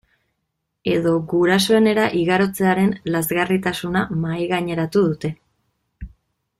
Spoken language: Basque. Edo gurasoenera igarotzearen lazgarritasuna mahaigaineratu dute.